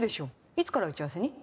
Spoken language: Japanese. いつから打ち合わせに？